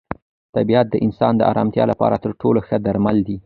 طبیعت د انسان د ارامتیا لپاره تر ټولو ښه درمل دی.